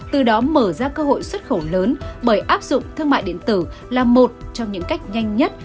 từ đó mở ra cơ hội xuất khẩu lớn bởi áp dụng thương mại điện tử là một trong những cách nhanh nhất